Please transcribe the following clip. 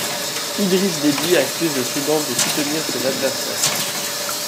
Idriss Déby accuse le Soudan de soutenir ses adversaires.